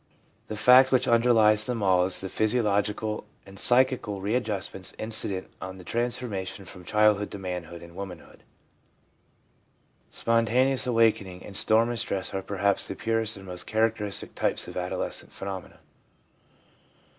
The fact which underlies them all is the physiological and psychical readjustments incident on the transition from childhood to manhood and womanhood. Spontaneous awakening and storm and stress are perhaps the purest and most characteristic types of adolescent phenomena.